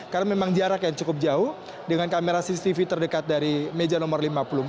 karena memang jarak yang cukup jauh dengan kamera cctv terdekat dari meja nomor lima puluh empat